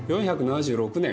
４７６年